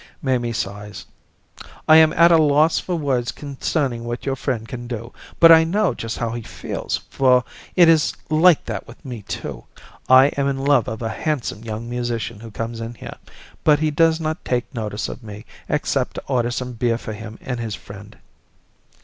Mamie sighs. "I am at a loss for words concerning what your friend can do, but I know just how he feels, for it is like that with me, too. I am in love of a handsome young musician who comes in here, but he does not take notice of me, except to order some beer for him and his friend."